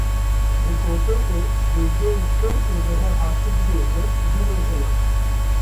bi gotin û bêjeyên kin û li hevhatî bibêje û bîne ziman.